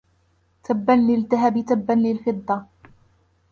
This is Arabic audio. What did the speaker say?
تَبًّا لِلذَّهَبِ تَبًّا لِلْفِضَّةِ